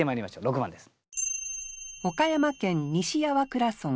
６番です。